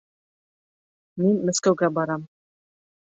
— Мин Мәскәүгә барам.